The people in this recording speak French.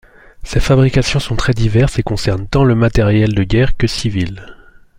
Ses fabrications sont très diverses et concernent tant le matériel de guerre que civil.